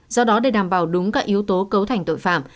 do đó để đảm bảo đúng các yếu tố cấu thành tội phạm